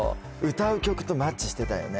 歌う曲とマッチしてたよね